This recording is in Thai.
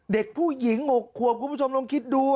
เด็กผู้หญิง๖ขวบคุณผู้ชมลองคิดดู